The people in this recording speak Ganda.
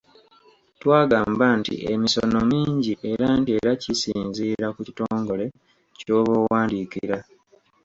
Twagamba nti emisono mingi era nti era kisinziira ku kitongole ky’oba owandiikira.